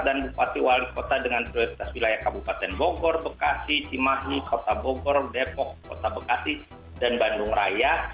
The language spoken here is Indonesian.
dan bupati wali kota dengan prioritas wilayah kabupaten bogor bekasi cimahi kota bogor depok kota bekasi dan bandung raya